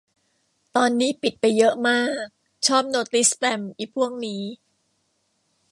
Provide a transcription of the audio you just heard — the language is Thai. ตอนนี้ปิดไปเยอะมาก ชอบโนติสแปม อิพวกนี้